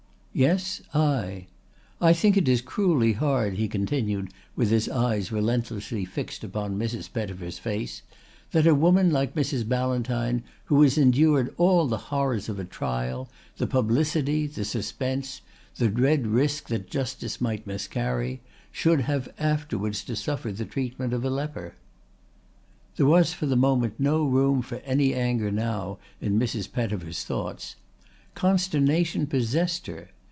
"Yes, I. I think it is cruelly hard," he continued with his eyes relentlessly fixed upon Mrs. Pettifer's face, "that a woman like Mrs. Ballantyne, who has endured all the horrors of a trial, the publicity, the suspense, the dread risk that justice might miscarry, should have afterwards to suffer the treatment of a leper." There was for the moment no room for any anger now in Mrs. Pettifer's thoughts. Consternation possessed her.